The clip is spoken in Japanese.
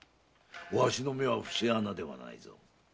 わしの目はふし穴ではないぞ。